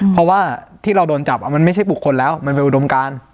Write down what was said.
เพราะว่าที่เราโดนจับมันไม่ใช่บุคคลแล้วมันเป็นอุดมการ